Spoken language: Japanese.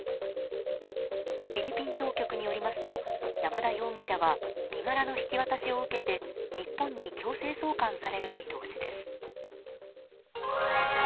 フィリピン当局によりますと山田容疑者は身柄の引き渡しを受けて日本に強制送還される見通しです。